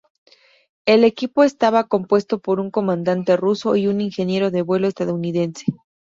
El equipo estaba compuesto por un comandante ruso y un ingeniero de vuelo estadounidense.